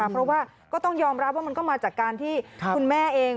เพราะว่าก็ต้องยอมรับว่ามันก็มาจากการที่คุณแม่เอง